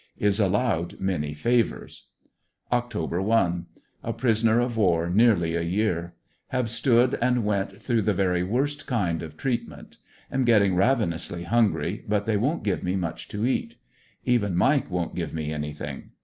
Is allowed many favors, Oct. 1. — A prisoner of war nearly a year Have stood and went through the very worst kind of treatment. Am getting ravenously hungry, but they won't give me much to eat. Even Mike won't give me anything.